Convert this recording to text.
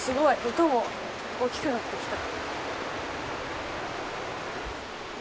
音も大きくなってきた。